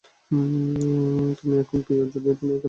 এবং এখন, প্রিয়, যদি তুমি এখানে বসে থাকো।